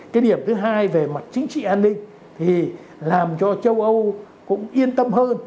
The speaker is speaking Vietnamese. cái điểm thứ hai về mặt chính trị an ninh thì làm cho châu âu cũng yên tâm hơn